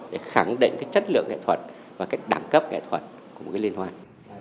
để khẳng định cái chất lượng nghệ thuật và cái đẳng cấp nghệ thuật của một cái liên hoan